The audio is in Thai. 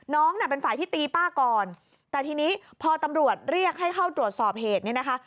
น่ะเป็นฝ่ายที่ตีป้าก่อนแต่ทีนี้พอตำรวจเรียกให้เข้าตรวจสอบเหตุเนี่ยนะคะ